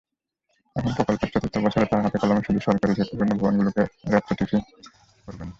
এখন প্রকল্পের চতুর্থ বছরে তাঁরা হাতে-কলমে শুধু সরকারি ঝুঁকিপূর্ণ ভবনগুলো রেট্রোফিটিং করবেন।